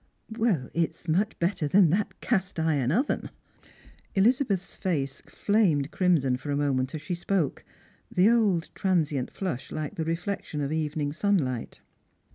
" It is much better than that cast iron oven." Elizabeth's face flamed crimson for a moment as she spoke, the old transient flush like the reflection of evening sunlight.